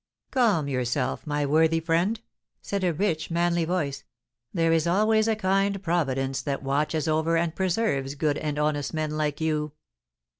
"Calm yourself, my worthy friend," said a rich, manly voice; "there is always a kind Providence that watches over and preserves good and honest men like you."